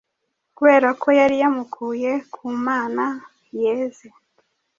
kubera ko yari yamukuye ku mana yeze.